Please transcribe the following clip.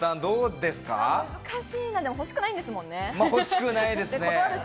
でも、欲しくないんですもんね？